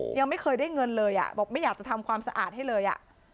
ยังไม่เคยได้เงินเลยอ่ะบอกไม่อยากจะทำความสะอาดให้เลย